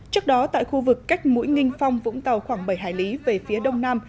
trước đó tại khu vực cách mũi nginh phong vũng tàu khoảng bảy hải lý về phía đông nam